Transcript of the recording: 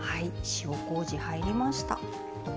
塩こうじ入りました。